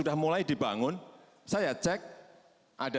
tetapi siapa siapa ada